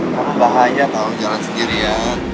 kamu bahaya tau jalan sendiri ya